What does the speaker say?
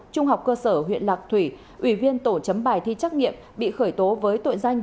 trung học cơ sở huyện lạc thủy ủy viên tổ chấm bài thi trắc nghiệm bị khởi tố với tội danh